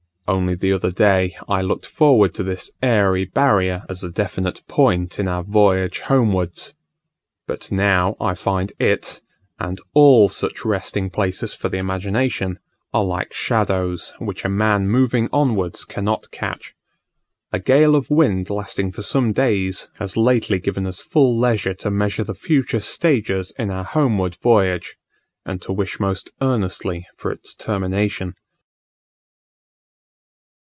Only the other day I looked forward to this airy barrier as a definite point in our voyage homewards; but now I find it, and all such resting places for the imagination, are like shadows, which a man moving onwards cannot catch. A gale of wind lasting for some days, has lately given us full leisure to measure the future stages in our homeward voyage, and to wish most earnestly for its termination.